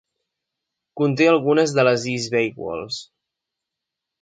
Conté algunes de les East Bay Walls.